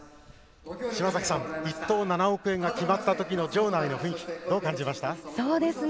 嶋崎さん、１等７億円が決まった時の場内の雰囲気どう感じましたか。